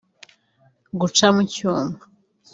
guca mu cyuma